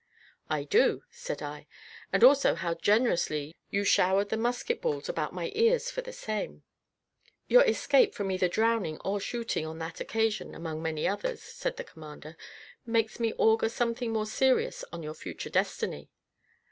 "I do," said I, "and also how generously you showered the musket balls about my ears for the same." "Your escape from either drowning or shooting on that occasion, among many others," said the commander, "makes me augur something more serious of your future destiny."